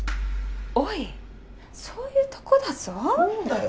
おいそういうとこだぞそうだよ